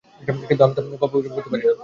কিন্তু, আমি তো গল্পগুজব পারি না!